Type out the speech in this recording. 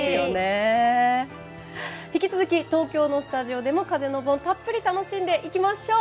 引き続き東京のスタジオでも風の盆、楽しんでいきましょう。